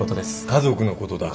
家族のことだ。